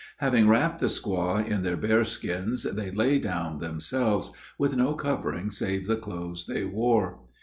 Having wrapped the squaw in their bear skins, they lay down themselves, with no covering save the clothes they wore.